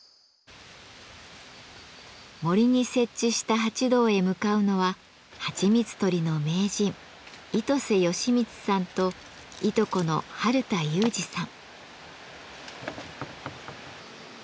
森に設置した蜂洞へ向かうのははちみつ採りの名人糸瀬良光さんといとこの春田裕治さん。